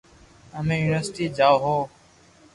ھمي يونيورسٽي جاو ھون